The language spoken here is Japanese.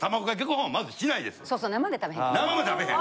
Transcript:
生で食べへん。